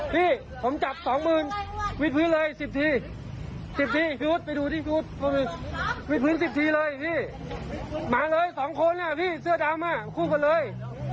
ตั้งกันคิดด้วยตั้งกันคิดด้วย